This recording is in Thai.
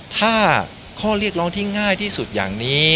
ถ้าข้อเรียกร้องที่ง่ายที่สุดอย่างนี้